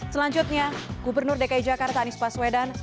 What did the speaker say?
selanjutnya gubernur dki jakarta anies baswedan